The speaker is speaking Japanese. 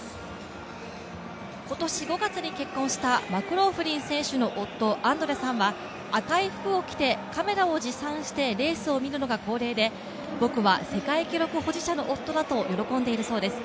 今年５月に結婚したマクローフリンの夫赤い服を着てカメラを持参してレースを見るのが日課で僕は世界記録保持者の夫だと喜んでいるそうです。